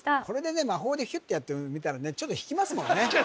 これで魔法でヒュッとやって埋めたらねちょっと引きますもんね